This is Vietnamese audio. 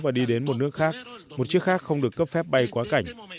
và đi đến một nước khác một chiếc khác không được cấp phép bay quá cảnh